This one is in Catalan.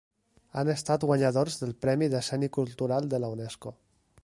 Han estat guanyadors del premi Decenni Cultural de la Unesco.